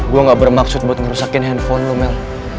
gue gak bermaksud buat ngerusakin handphone lo mel